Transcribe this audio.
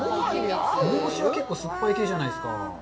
梅干しは結構酸っぱい系じゃないですか。